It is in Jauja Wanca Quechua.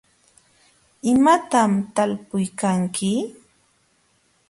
¿imatam talpuykanki?